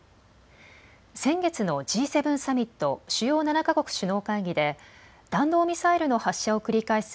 先月のＧ７サミット・主要７か国首脳会議で弾道ミサイルの発射を繰り返す